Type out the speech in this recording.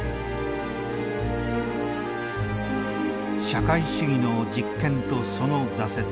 社会主義の実験とその挫折。